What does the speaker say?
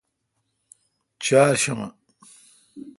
چارشنبہ